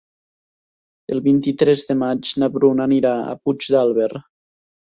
El vint-i-tres de maig na Bruna anirà a Puigdàlber.